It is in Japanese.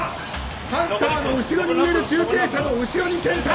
ハンターの後ろに見える中継車の後ろに健さん！